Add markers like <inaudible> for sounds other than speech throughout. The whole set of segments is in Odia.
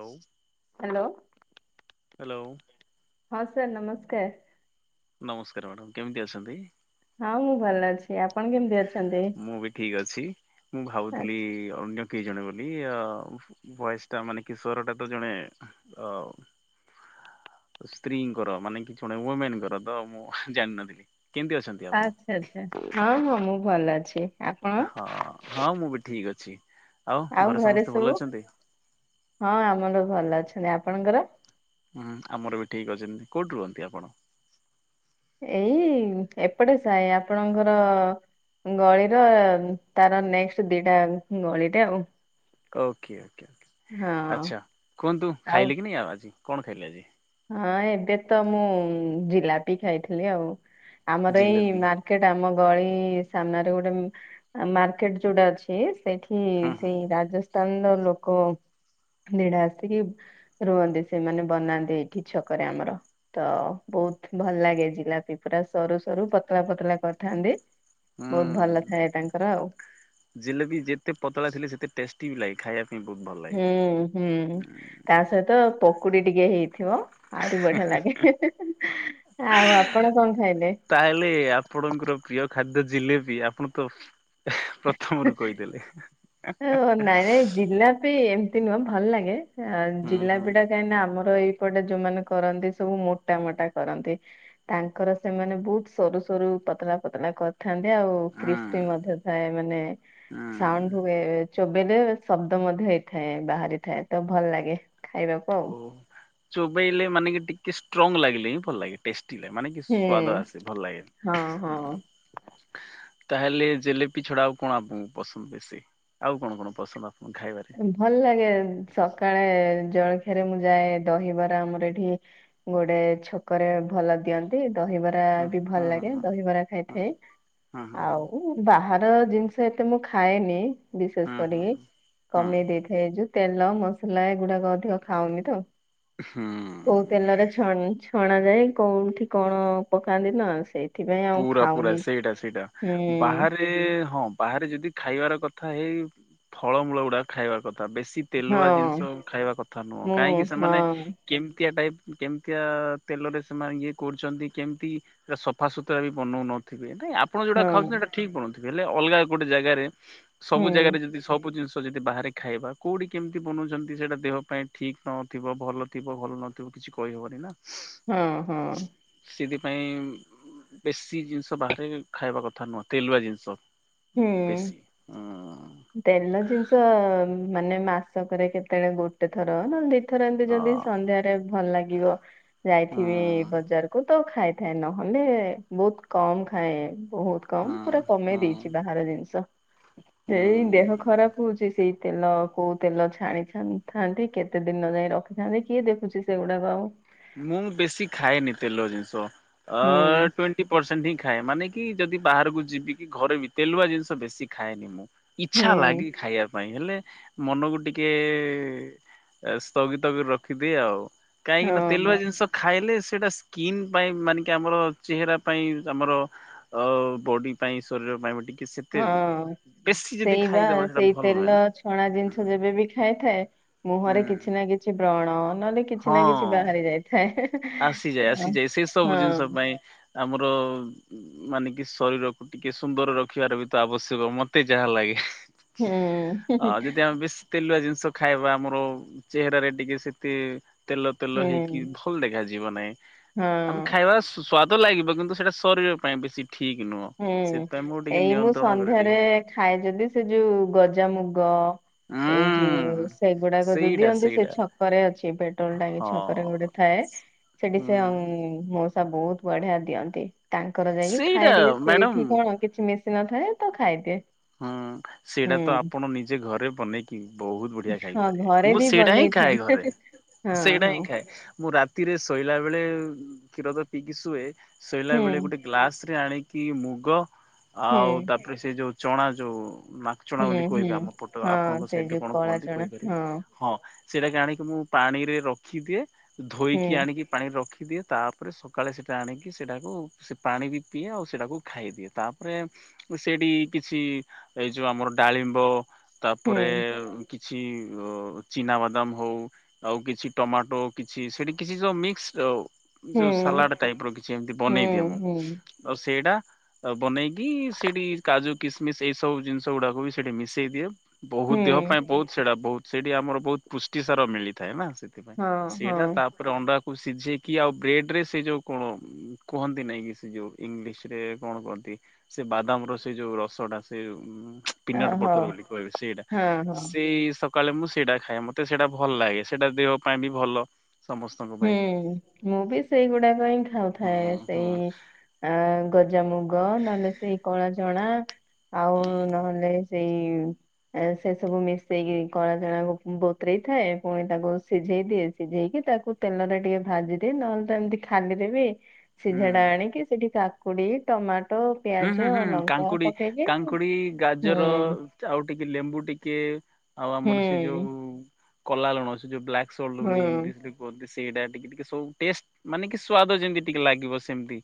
ହଉ। ହାଲୋ। ହାଲୋ। ହଁ ସାର୍ ନମସ୍କାର। ନମସ୍କାର ମାଡ଼ାମ୍ କେମିତି ଅଛନ୍ତି? ହଁ ମୁଁ ଭଲ ଅଛି ଆପଣ କେମତି ଅଛ? ମୁଁ ବି ଠିକ୍ ଅଛି ମୁଁ ଭାବୁଥିଲି ଆଚ୍ଛା ଅନ୍ୟ। କିଏ ଜଣେ ବୋଲି ଅ ଭଏସ୍ ଟା ମାନେ କି ସ୍ୱର ଟା ତ ଜଣେ ଅ। ସ୍ତ୍ରୀଙ୍କର ମାନେ କି ଜଣେ ଓମେନଙ୍କର ତ ମୁଁ ଜାଣିନଥିଲି କେମତି ଅଛନ୍ତି? ଆପଣ? ଆଚ୍ଛା ଆଚ୍ଛା ହଁ ମୁଁ ମୁଁ ଭଲ ଅଛି। ଆପଣ ହଁ ହଁ ମୁଁ ବି ଠିକ୍ ଅଛି। ଆଉ ଘରେ ସମସ୍ତେ ଭଲ ସବୁ ଅଛନ୍ତି? ହଁ ଆମର ସବୁ ଭଲ ଅଛନ୍ତି ଆପଣଙ୍କର? ହୁଁ ଆମର ବି ଠିକ୍ ଅଛନ୍ତି କୋଉଠି ରୁହନ୍ତି ଆପଣ? ଏଇ ଏପଟେ ସାଏ ଆପଣଙ୍କର। ଗଳିର ତାର ନେକ୍ସଟ ଦିଟା ଗଳିରେ ଆଉ। ଓକେ ଓକେ ଓକେ ହଁ ଆଚ୍ଛା କୁହନ୍ତୁ ଆଉ ଖାଇଲେକି ନାହିଁ ଆଉ ଆଜି କଣ ଖାଇଲେ ଆଜି? ହଁ ଏବେ ତ ମୁଁ ଜିଲାପି ଖାଇଥିଲି ଆଉ ଆମର ଏଇ ଜିଲାପି ମା ର୍କେଟ ଆମ ଗଳି ସାମ୍ନାରେ ଗୋଟେ ଉଁ ଆ ମାର୍କେଟ ଯୋଉଟା ଅଛି। ଏ ସେଠି ହୁଁ ହୁଁ ସେଇ ରାଜ ସ୍ତାନର ଲୋକ ଦିଟା ଆସିକି ରୁହନ୍ତି ସେମାନେ ବନାନ୍ତି। କି ଛକରେ ଆମର। ତ ବହୁତ୍ ଭଲ ଲାଗେ ଜିଲାପି ପୁରା ସରୁ ସରୁ ପତଳା ପତଳା କରିଥାନ୍ତି। ବହୁତ ଭଲ ଥାଏ ତାଙ୍କର ଆଉ ଜେଲେବି ଯେତେ ପତଳା ଥିଲେ ସେତେ ଟେଷ୍ଟି ବି ଲାଗେ ଖାଇବା ବହୁତ ଭଲ <unintelligible> ହୁଁ ହୁଁ ତା ସହିତ ପକୁଡି ଟିକେ ହେଇଥିବ ଆହୁରି ବଢିଆ ଲାଗେ ଆଉ ଆପଣ କଣ ଖାଇଲେ? ତାହେଲେ ଆପଣଙ୍କର ପ୍ରିୟ ଖାଦ୍ୟ ଜିଲେବି ଆପଣ ତ ପ୍ରଥମରୁ କହିଦେଲେ ଓ ନାଇଁ ନାଇଁ ଜିଲାପି ଏମତି ନୁହଁ ଭଲ ଲାଗେ ହୁଁ ହୁଁ ଜିଲାପି ଟା କାହିଁକି ନା ଆମର ଏଇ ଏପଟେ ଯୋଉମାନେ କରନ୍ତି ସବୁ ମୋଟା ମୋଟା କରନ୍ତି ତାଙ୍କର ସେମାନେ ବହୁତ ସରୁ ସରୁ ପତଳା ପତଳା କରି ଥା ଆଉ ହୁଁ କ୍ରିସ୍ପି ମଧ୍ୟ ଥାଏ ମାନେ ହୁଁ ସାଣ୍ଡ ଚୋବେଲେ ଶବ୍ଦ ମଧ୍ୟ ହେଇଥାଏ ବାହାରିଥାଏ ତ ଭଲ ଲାଗେ ଖାଇବାକୁ ଓ ଆଉ ଚୋବେଇଲେ ମାନେ କି ଟିକେ ଷ୍ଟ୍ରଙ୍ଗ ଲାଗିଲେ ହିଁ ଭଲ ଲାଗେ ଟେଷ୍ଟି ଲାଗେ ମାନେ କି ହୁଁ ସ୍ଵଦ ଆସେ ଭଲ ଲାଗେ ହଁ ହଁ। ତାହେଲେ ଜେଲେପି ଛଡା ଆଉ କଣ ଆପଣଙ୍କୁ ପସନ୍ଦ ବେଶୀ ଆଉ କଣ କଣ ପସନ୍ଦ ଆପଣଙ୍କୁ ଖାଇବା ଭଲ ଲାଗେ ସକାଳେ ଜଳଖିଆରେ ମୁଁ ଯାଏ ଦହିବାର ଆମର ଏଠି ଗୋଟେ ଛକରେ ଭଲ ଦିଅନ୍ତି ଦହିବ ହଁ ବି ଭଲ ହଁ ଲାଗେ ହଁ ଦହିବରା ହଁ ଖାଇଥାଏ ହଁ ହଁ ହଁ ଆଉ ବାହାର ଜିନିଷ ଏତେ ମୁଁ ଖାଏନି ବିଶେଷ ହଁ ହଁ କରିକି ହଁ ହଁ କମେଇ ଦେଇଥାଏ ଏ ଯୋଉ ତେଲ ମସଲା ଏଗୁଡାକ ଅଧିକ ଖାଉନି ତ କୋଉ ହଁ ତେଲରେ ଛ ଛଣାାଯାଏ କୋଉଠି କଣ ପକାନ୍ତି ନା ସେଇ ପୁରା ପୁରା ସେଇଟା ସେଇଟା ହୁଁ ବାହାରେ ହଁ ବାହାରେ ଯଦି ଖାଇବାର କଥା ହେଇ ଫଳମୂଳ ଗୁଡାକ ଖାଇବାର କଥା ବେଶୀ ତେଲୁଆ ହଁ ଜିନିଷ ଖାଇବା କଥା ନୁହଁ ମୁଁ କାହିଁକି ସେମାନେ ହଁ କେମିତିଆ ଟାଇପ କେମିତିଆ ତେଲରେ ସେମାନେ ଇଏ କରୁଛନ୍ତି କେମିତି ସଫାସତ ବି ବନଉ ନଥିବେ ନାଇଁ ଆପଣ ଯୋଉଟା ହଁ ଖାଉଛନ୍ତି ସେଇଟା ଠିକ ବନଉଥିବେ ହେଲେ ଅଲଗା ଗୋଟେ ଜାଗାରେ ହୁଁ ସବୁ ଜାଗାରେ ଯଦି ସବୁ ଜିନିଷ ଯଦି ବାହାରେ ଖାଇବା କୋଉଠି କେମିତି ବନଉଛନ୍ତି ସେଇଟା ଦେହ ପାଇଁ ଠିକ ନ ଥିବ ଭଲ ଥିବ ଭଲ ନଥିବ କିଛି କହିହେବନି ନା ହଁ ହଁ ସେଥିପାଇଁ ବେଶି ଜିନିଷ ବାହାରେ ଖାଇବା କଥା ନୁହଁ ତେଲୁଆ ଜିନିଷ ହୁଁ। ବେଶୀ ହ ତେଲ ଜିନିଷ ମାନେ ମାସକରେ କେତେବେଳେ ଗୋଟେ ଥର ନଲେ ଦି ପଥ ରାଧୁ ହଁ ଯଦି ସନ୍ଧ୍ୟାରେ ଭଲ ଲାଗିବ ହୁଁ ଯାଇଥିବି ବଜାର କୁ ତ ଖାଇଥାଏ ନହେଲେ ବହୁତ କମ ଖାଏ ବହୁତ ହୁଁ କମ ପୁରା କମେଇ ହୁଁ ଦେଇେଇଛି ବାହାର ଜିନିଷ ଏଇ ଦେହ ହୁଁ। ଖରାପ ହଉଛି ସେଇ ତେଲ କୋଉ ତେଲ ଛାଣି ଥାନ୍ତି କେତେ ଦିନ ଯାଇଏ ରଖିଥାନ୍ତି କିଏ ଦେଖୁଛି ସେଗୁଡାକ ଆଉ ମୁଁ ବେଶୀ ଖାଏନି ତେଲ ଜିନିଷ ହୁଁ ଟ ପରଣ୍ଟ ହିଁ ଖାଏ ମାନେ କି ଯଦି ବାହାରକୁ ଯିବି କି ଘରେ ବି ତେଲୁଆ ଜିନିଷ ବେଶି ଖାଏନି ମୁଁ ଇଚ୍ଛା ହୁଁ ଲାଗେ ଖାଇବା ପାଇଁ ହେଲେ ମନକୁ ଟିକେ ସ୍ଥଗିତ କରି ରଖିଦିଏ ଆଉ କାହିଁକି ନା ତେଲୁଆ ହଁ ଜିନିଷ ଖାଇଲେ ସେଇଟା ସ୍କିିନ ପାଇଁ ମାନେ କି ଆମର ଚେହେରା ପାଇଁ ଆମର ଅ ବଡି ପାଇଁ ଶରୀର ପାଇଁ ଟିକେ ସେତେ ହଁ ବେଶୀ ଯଦି ସେଇ ବା ଖାଇଦବା ସେଇଟା ସେଇ ଭଲ ନୁହେଁ ତେଲ ନା। ଛଣା ଜିନିଷ ଯେବେବ ଖାଇଥାଏ ହୁଁ ମୁହଁରେ କିଛି ନା କିଛି ବ୍ରଣ ନହେଲେ କିଛି ନା କିଛି ହଁ ବାହାରି ଯାଇଥାଏ। ତ ଆସିଯାଏ ହଁ ଆସିଯାଏ ସେ ସବୁ ଜିନିଷ ପାଇଁ ଆମର ମାନେ କି ଶରୀରକୁ ଟିକେ ସୁନ୍ଦର ରଖିବାର ବି ତ ଆବଶ୍ୟକ, ମତେ ଯାହା ଲାଗେ। ହୁଁ ଅ ହୁଁ ଯଦି ଆମେ ବେଶ୍ ତେଲୁଆ ଜିନିଷ ଖାଇବା ଆମର ଚେହେରାରେ ଟିକେ ସେତେ ତେଲ ତେଲ ହୁଁ ହେଇକି ଭଲ ଦେଖାଯିବ ନାଇଁ। ଆମେ ହଁ ଖାଇବା ସ୍ୱାଦ ଲାଗିବ କିନ୍ତୁ ସେଇଟା ଶରୀର ପାଇଁ ବେଶୀ ଠିକ୍ ନୁହଁ। ହୁଁ। ସେଥିପାଇଁ ମୁଁ ଟିକେ ଏଇ ମୁଁ ନିୟନ୍ତ୍ରଣ କରେ ଟିକେ ସନ୍ଧ୍ୟାରେ ଉଁ ଖାଏ ଯଦି ସେ ଯୋଉ ଗଜାମୁଗ ଏଇ ଯୋଉ ସେଗୁଡାକ ଯୋଉ ସେଇଟା ଦିଅନ୍ତି ସେ ସେଇଟା ଛକରେ ଅଛି। ପେଟ୍ରୋଲ ଟାଙ୍କି ହଁ। ଛକରେ ଗୋଟେ ଥାଏ। ସେଠି ହୁଁ ସେ ମଉସା ବହୁତ୍ ବଢିଆ ଦିଅନ୍ତି। ତାଙ୍କର ଯାଇକି ଖାଏ ସେଇଟା ଟିକେ। ମ୍ୟାଡାମ ହଁ କିଛି ମିଶିିନଥାଏ ତ ଖାଇଦିଏ। ହୁଁ। ସେଇଟା ତ ହୁଁ ଆପଣ ନିଜେ ଘରେ ବନେଇକି ବହୁତ ବଢିଆ ହଁ ଖାଇପାରେ। ଘରେ ମୁଁ ବି ସେଇଟା ହିଁ ଖାଏ ବନେଇଥାଏ ଘରେ। ହଁ ସେଇଟା ହଁ ହିଁ ଖାଏ। ମୁଁ ରା ତିରେ ଶୋଇଲା ବେଳେ କ୍ଷୀର ତ ପିଇକି ଶୁଏ। ଶୋଇଲା ହୁଁ ବେଳେ ଗୋଟେ ଗ୍ଲାସ ରେ ଆଣିକି ମୁଗ ହୁଁ ଆଉ ତାପରେ ସେ ଯୋଉ ଚଣା ଯୋଉ ମା ଚଣା ହୁଁ ବୋଲି କହିବେ ହୁଁ ଆମ ପଟ, ଆପଣଙ୍କ ହଁ ସେ ସାଇଟରେ ଯୋଉ କଣ କଳା କୁହନ୍ତି ଚଣା କହିପାରିବିନି। ହଁ। ସେଇଟାକ ଆଣିକି ମୁଁ ପାଣିରେ ରଖିଦିଏ, ହୁଁ ଧୋଇକି ଆଣିକି ପାଣିରେ ରଖିଦିଏ। ତାପରେ ସକାଳେ ସେଇଟା ଆଣିକି ସେଇଟାକୁ ସେ ପାଣି ବି ପିଏ ଆଉ ସେଇଟାକୁ ଖାଇଦିଏ। ତାପରେ ମୁଁ ସେଇଠି କିଛି ଏଇ ଯୋଉ ଆମର ଡାଳିମ୍ବ ହୁଁ ତାପରେ କିଛି ଅ ଚିନାବାଦାମ ହଉ ଆଉ କିଛି ଟମାଟୋ କିଛି ସେଠି କିଛି ଯୋଉ ମିକ୍ସ୍ ଯୋଉ ହୁଁ ଯୋଉ ସାଲାଡ ଟାଇପ୍ ର କିଛି ଏମତି ହୁଁ ବନେଇ ଦିଅ ମୁଁ। ହୁଁ ଆଉ ସେଇଟା ବନେଇକି ସେଇଠି କାଜୁ କିସମିସ୍ ଏଇ ସବୁ ଜିନିଷ ଗୁଡାକୁ ବି ସେଠି ମିଶେଇ ଦିଏ। ବହୁତ୍ ଦେହ ହୁଁ ପାଇଁ ବହୁତ୍ ସେଟା ବହୁତ୍ ସେଇଠି ଆମର ବହୁତ ପୁଷ୍ଟିସାର ମିଳିଥାଏ ନା ସେଥିପାଇଁ। ହଁ ହଁ ସେଇଟା ତା ତାପରେ ଅଣ୍ଡାକୁ ସିଝେଇକି ଆଉ ବ୍ରେଡ ରେ ସେ ଯୋଉ କ କୁହନ୍ତି ନାଇଁ କି ସେ ଯୋଉ ଇଂଲିଶ ରେ କଣ କୁହନ୍ତି ସେ ବାଦାମ ର ସେ ଯୋଉ ରସ୍ ଟା ସେ ପିନଟ୍ ଓହୋ ବଟର ବୋଲି କହିବେ ସେଇଟା। ହଁ ହଁ ସେଇ ସକାଳେ ମୁଁ ସେଇଟା ଖାଏ। ମତେ ସେଇଟା ଭଲ ଲାଗେ। ସେଇଟା ଦେହ ପାଇଁ ବି ଭଲ। ସମସ୍ତଙ୍କ ହୁଁ। ପାଇଁ ମୁଁ ବି ସେଇଗୁଡାକ ହିଁ ହଁ ଖାଉଥାଏ ହଁ ସେଇ ଆ ଗଜାମୁଗ ନହେଲେ ସେଇ କଳା ଚଣା। ଆଉ ନହେଲେ ସେଇ ଏ ସେସବୁ ମିଶେଇକି କଳାଚଣାକୁ ବତୁରେଇ ଥାଏ ପୁଣି ତାକୁ ସିଝେଇ ଦିଏ, ସିଝେଇକି ତାକୁ ତେଲରେ ଟିକେ ଭାଜିଦିଏ, ନହେଲେ ତ ଏମିତି ଖାଲିରେ ବି ସିଝା ହୁଁ। ଟା ଆଣିକି ସେଠି କା କାକୁଡି, ଟମାଟୋ, ହୁଁ ହୁଁ ପିଆଜ, ହୁଁ ଲଙ୍କା କାଙ୍କୁଡି ପକେଇକି କାଙ୍କୁଡି ଗାଜର ହୁଁ। ଆଉ ଟିକେ ଲେମ୍ବୁ ଟିକେ ଆଉ ଆମର ସେ ହୁଁ ଯୋଉ କଲା ଲୁଣ ସେ ଯୋଉ ବ୍ଲାକ୍ ସଲ୍ଟ ହୁଁ ବୋଲି ଇଂଲିଶ ରେ କୁହନ୍ତି। ସେଇଟା ଟିକେ ଟିକେ ସବୁ ଟେଷ୍ଟ୍ ମାନେ କି ସ୍ଵାଦ ଯେମିତି ଟିକେ ଲାଗିବ ସେମତି।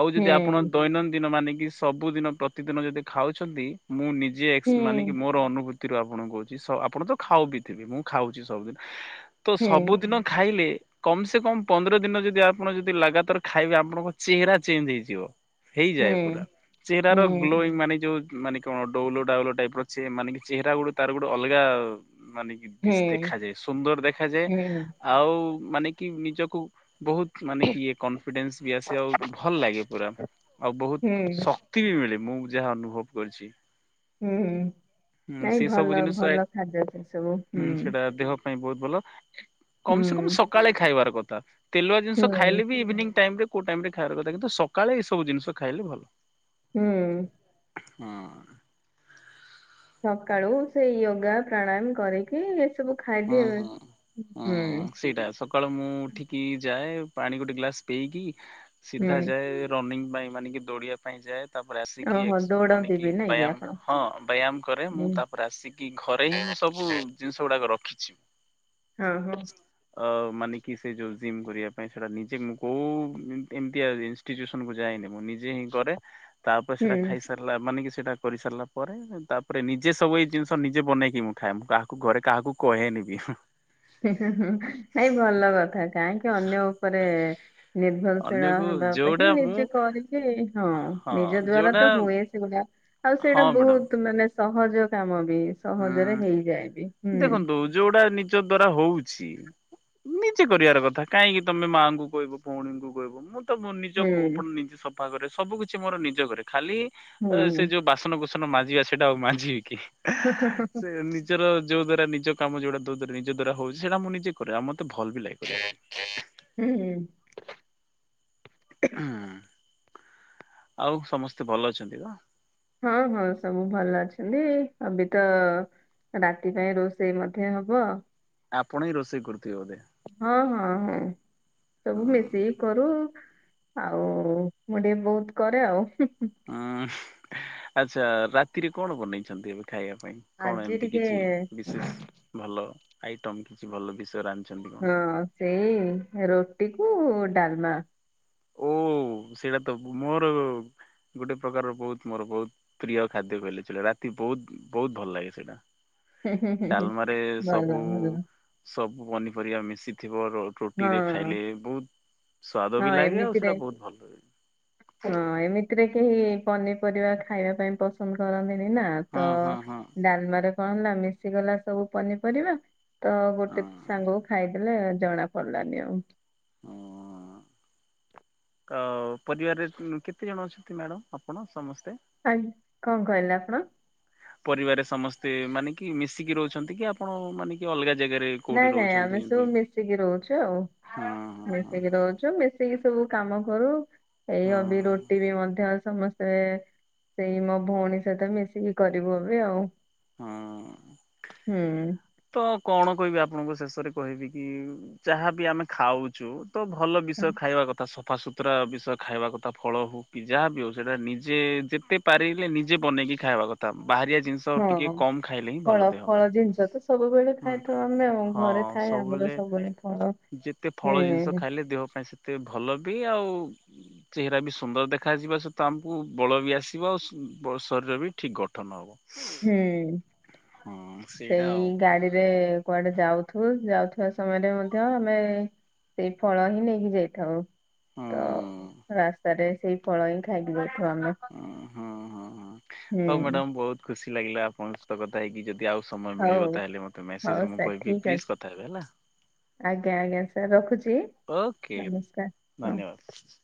ଆଉ ଯଦି ଆପଣ ହୁଁ ଦୈନନ୍ଦିନ ମାନେ କିି ସବୁଦିନ ପ୍ରତିଦିନ ଯଦି ଖାଉଛନ୍ତି ମୁଁ ନି ଜେ ମାନେ ହୁଁ କି ମୋର ଅନୁଭୂତି ତି ରୁ ଆପଣଙ୍କୁ କହୁଚି ଆପଣ ତ ଖାଉ ବି ଥିବେ ମୁଁ ଖାଉଛି ସବୁଦିନ୍। ତ ହୁଁ ସବୁଦିନ ଖାଇଲେ କମ୍ ସେ କମ୍ ପନ୍ଦର ଦିନ ଯଦି ଆପଣ ଯଦି ଲଗାତାର ଖାଇବେ ଆପଣଙ୍କ ଚେହେରା ଚେଞ୍ଜ ହେଇଯିବ। ହେଇଯାଏ ପୁରା। ହୁଁ ଚେହେରାର ଗ୍ଲୋ ମାନେ ଯୋଉ ମାନେ କଣ ଡଉଲ ଡାଉଲ ଟାଇପ୍ ର ସେ ମାନେ କିଛି ଚେହେରା ଗୋଟେ ତାର ଗୋଟେ ଅଲଗା ମାନେ ଇ ହୁଁ ପିସ୍‌ ହୁଁ ଦେଖାଯାଏ ସୁନ୍ଦର ଦେଖାଯାଏ ହୁଁ ଆଉ ମାନେ କି ନିଜକୁ ବହୁତ ମାନେ କି ଇଏ କନଫିଡେନ୍ସ୍ ବି ଆସେ ଆଉ ଭଲ ଲାଗେ ପୁରା। ବହୁତ୍ ହୁଁ ଶକ୍ତି ବି ମିଳେ ମୁଁ ଯାହା ଅନୁଭବ କରିଛି। ହୁଁ ହୁ ହୁଁ ନାଇଁ ସେ ସବୁ ଭଲ ଜିନିଷ ଭଲ ଖାଦ୍ୟ ସେ ସବୁ ହୁଁ। ସେଇଟା ଦେହ ପାଇଁ ବହୁତ୍ ଭଲ ହୁଁ କମ୍ ସେ କମ୍ ସକାଳେ ଖାଇବାର କଥା। ତେଲୁଆ ଜିନଷ ହୁଁ ଖାଇଲେ ବି ଇଭିନିଂ ଟାଇମ୍ ରେ କୋଉ ଟାଇମ୍ ରେ ଖାଇବାର କଥା କିନ୍ତୁ ସକାଳେ ଏଇସବୁ ଜିନଷ ଖାଇଲେ ଭଲ। ହୁଁ‌। ହଁ। ସକାଳୁ ସେ ୟୋଗା ପ୍ରାଣାୟାମ କରିକି ସବୁ ହଁ ଖାଇଦେବେ ହଁ। ହୁଁ‌। ହଁ ସେଇଟା ସକାଳୁ ମୁଁ ଉଠିକି ଯାଏ ପାଣି ଗୋଟେ ଗ୍ଲାସ ପିଇକି ହୁଁ ସିଧା ଯାଏ। ରନିଂ ପାଇଁ ମାନେ କି ଦୌଡିବା ପାଇଁ ଯାଏ ତାପରେ ଆସିକି ଓହୋ ଏସ୍କ ମାନେ ଦୌଡନ୍ତି କି ବି ନାଇଁ ବ୍ୟାୟାମ ଆପଣ ହଁ ବ୍ୟାୟାମ କରେ ମୁଁ ହୁଁ ତାପରେ ଆସିକି ଘରେ ହିଁ ମୁଁ ସବୁ ଜିନିଷ ଗୁଡାକ ରଖିଛି। ହଁ ହଁ‌‌ ‌। ଅ ମାନେ କି ସେ ଯୋଉ ଜିମ୍ କରିବା ପାଇଁ ସେଟା ନିଜେ ମୁଁ କୋହୁ ଏମ ଏମିତିଆ ଜିନିଷ। ଫିଜୁୟସନ କୁ ଯାଇନି ମୁଁ ନିଜେ ହିଁ କରେ ତାପରେ ହୁଁ ସେଟା ଖାଇସାରିଲା ମାନେ କି ସେଟା କରି ସାରିଲା ପରେ ତାପରେ ନିଜେ ସବୁ ଏଇ ଜିନିଷ ନିଜେ ବନେଇକି ମୁଁ ଖାଏ ମୁଁ କାହାକୁ ଘରେ କାହାକୁ କହେନି ବି। ନାଇଁ ଭଲ କଥା କାହିଁକି ଅନ୍ୟ ଉପରେ ନିର୍ଭରଶୀଳ ଅନ୍ୟକୁ ହବା ଆପେକ୍ଷା ଯୋଉଟା ମୁଁ ନିଜେ କରିକି ହଁ ନିଜ ଦ୍ଵାରା ତ ହୁଏ ସେଗୁଡା ଆଉ ସେଇଟା ହଁ ମ୍ୟାଡାମ ବହୁତ୍ ମାନେ ସହଜ କାମ ବି ସହଜରେ ହୁଁ ହେଇଯାଏ ବି। ହୁଁ ଦେଖନ୍ତୁ ଯୋଉଟା ନିଜ ଦ୍ଵାରା ହଉଛି ନିଜେ କରିବାର କଥା କାହିଁକି ତମେ ମାଆଙ୍କୁ କହିବ ଭଉଣୀଙ୍କୁ କହିବ ମୁଁ ତ ମୁଁ ନିଜକୁ ହୁଁ ଓପନ ନିଜେ ସଫା କରେ ସବୁ କିଛି ମୋର ନିଜ କରେ ଖାଲି ହୁଁ ସେ ହୁଁ ଯୋଉ ବାସନକୁସ ନ ମାଜିବା ସେଟା ଆଉ ମାଜିବି କି ସେ ନିଜର ଯୋ ଦ୍ଵାରା ନିଜ କାମ ଯୋଉଟା ତୋ ଦ୍ଵାରା ନିଜ ଦ୍ଵାରା ହଉଛି ସେଟା ମୁ ନିଜେ କରେ ଆଉ ମତେ ଭଲ ବି ଲାଗେ କରିବା ପାଇଁ। ହୁଁ ହୁଁ। ହୁଁ ଆଉ ସମସ୍ତେ ଭଲ ଅଛନ୍ତି ତ। ହଁ ହଁ ସବୁ ଭଲ ଅଛନ୍ତି ଅବି ତ ରାତି ପାଇଁ ରୋଷେଇ ମଧ୍ୟ ହବ। ଆପଣ ହିଁ ରୋଷେଇ କରୁଥିବେ ବୋଧେ। ହଁ ହଁ ହଁ। ସବୁ ହଁ ମିଶିକି କରୁ ଆଉ ମୁଁ ଟିକେ ବହୁତ୍ କରେ ଆଉ। ହୁଁ ଆଚ୍ଛା ରାତିରେ କଣ ବନେଇଛନ୍ତି ଏବେ ଖାଇବା ପାଇଁ। କଣ ଆଜି ଏମିତି ଟିକେ କିଛି ବିଶେଷ ଭଲ ଆଇଟମ କିଛି ଭଲ ବିଷୟରେ ରାନ୍ଧଚନ୍ତି କି। ହଁ ସେଇ ରୁଟି କୁ ଡାଲମା। ଓ ସେଇଟା ତ ମୋର ଗୋଟେ ପ୍ରକାରର ବହୁତ୍ ମୋର ବହୁତ୍ ପ୍ରିୟ ଖାଦ୍ୟ କହିଲେ ରାତି ବହୁତ୍ ବହୁତ୍ ଭଲ ଲାଗେ ସେଇଟା। ଡାଲମାରେ ଭଲ ସବୁ ଭଲ ସବୁ ପନିପରିବା ମିଶିଥିବ ରୋ ରୁଟି ହଁ ରେ ଖାଇଲେ ବହୁତ୍ ସ୍ଵାଦ ବି ହଁ ଲାଗେ ଆଉ ଏମିତି ରେ ସେଇଟା ବହୁତ ଭଲ ଲାଗେ। ହଁ ଏମିତିରେ କେହି ପନିପରିବା ଖାଇବା ପାଇଁ ପସନ୍ଦ କରନ୍ତିନି ନା। ତ ହଁ ହଁ ହଁ। ଡାଲମାରେ କଣ ନା ମିଶିଗଲା ସବୁ ପନିପରିବା। ତ ଗୋଟେ ହଁ ସାଙ୍ଗକୁ ଖାଇଦେଲେ ଜଣା ପଡଲାନି ଆଉ। ଆ ପରିବାରରେ କେତେ ଜଣ ଅଛନ୍ତି ମ୍ୟାଡ଼ମ୍ ଆପଣ ସମସ୍ତେ? ଆଜ୍ଞା କଣ କହିଲେ ଆପଣ? ପରିବାରରେ ସମସ୍ତେ ମାନେ କି ମିଶିକି ରହୁଛନ୍ତି କି ଆପଣ ମାନେ କି ଅଲଗା ଜେଗାରେ? ନାଇଁ ନାଇଁ ଆମେ ସବୁ ମିଶିକି ରହୁଛୁ ଆଉ ହଁ ହଁ ହଁ ମିଶିକି ରହୁଛୁ ମି ସେଇ ସବୁ କାମ କରୁ ଏଇ ହଁ ଅବି ରୁଟି ବି ମଧ୍ୟ ସମସ୍ତେ ସେ ସେଇ ମୋ ଭଉଣୀ ସହିତ ମିଶିକି କରିବୁ ଏବେ ଆଉ। ହଁ ହଁ। ହୁଁ ତ କଣ କହିବି ଆପଣଙ୍କୁ ଶେଷରେ କହିବି କି ଯାହାବି ଆମେ ଖାଉଛୁ ତ ଭଲ ବିଷୟ ଖାଇବା କଥା ସତ ସଫାସୁତୁରା ବିଷୟ ଖାଇବା କଥା ଫଳ ହେଉ କି ଯାହା ବି ହେଉ ସେଇଟା ନିଜେ ଯେତେ ପାରିଲେ ନିଜେ ବନେଇକି ଖାଇବା କଥା ବାହାରିଆ ଜିନିଷ ଟିକେ ହଁ କମ୍ ଖାଇଲେ ହିଁ ଭଲ ଫଳ ଦେହ ପାଇଁ ଫଳ ଜିନିଷ ତ ସବୁବେଳେ ହୁଁ ଖାଇଥାଉ ଆମେ ଆଉ ଘରେ ଥାଏ ଆମର ସବୁବେଳେ ଫଳ। ଯେତେ ଫଳ ଜିନିଷ ହୁଁ ଖାଇଲେ ଦେହ ପାଇଁ ସେତେ ଭଲ ବି ଆଉ ଚେହେରା ବି ସୁନ୍ଦର ଦେଖାଯିବା ସହିତ ଆମକୁ ବଳ ବି ଆସିବ ଆଉ ଶରୀର ବି ଠିକ ଗଠନ ହବ। ହୁଁ ହଁ ସେଇଟା ଆଉ ସେଇ ଗାଡିରେ କୁଆଡେ ଯାଉଥୁ ଯାଉଥିବା ସମୟରେ ମଧ୍ୟ ଆମେ ସେଇ ଫଳ ହିଁ ନେଇକି ଯାଇଥାଉ। ତ ହୁଁ। ରାସ୍ତାରେ ସେଇ ଫଳ ହିଁ ଖାଇକି ଯାଉଥାଉ ଆମେ ହୁଁ ହୁଁ ହୁଁ ହୁଁ। ହଉ ହୁଁ ମ୍ୟାଡାାମ ବହୁତ ଖୁସି ଲାଗିଲା ଆପଣଙ୍କ ସହିତ କଥା ହେଇକି ଯଦି ଆଉ ସମୟ ମିଳିବ ହଉ ତାହେଲେ ମତେ ହଉ ମେସେଜରେ ମୁଁ ସାର୍ କହିବି ଠିକ ପ୍ଲିଜ୍ ଅଛି। କଥା ହେବେ ହେଲା। ଆଜ୍ଞା ଆଜ୍ଞା ସାର୍ ରଖୁଛି ଓକେ ନମସ୍କାର ହଁ! <inaudible>